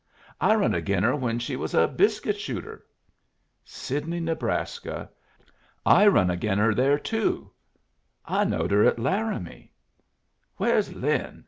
"I run agin her when she was a biscuit shooter." "Sidney, Nebraska. I run again her there, too." "I knowed her at Laramie." "Where's Lin?